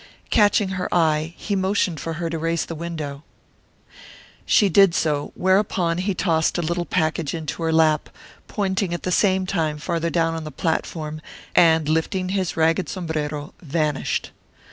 Catching her eye, he motioned for her to raise the window; she did so, whereupon he tossed a little package into her lap, pointing at the same time farther down the platform, and lifting his ragged sombrero, vanished.